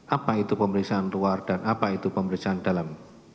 apa itu pemeriksaan luar dan apa itu pemeriksaan dalam